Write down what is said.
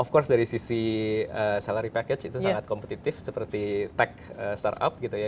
of course dari sisi salary package itu sangat kompetitif seperti tech startup gitu ya